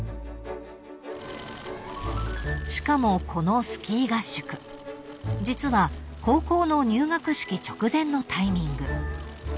［しかもこのスキー合宿］［実は高校の入学式直前のタイミング］